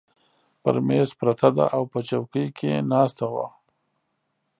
پر مېز پرته ده، او په چوکۍ کې ناسته وه.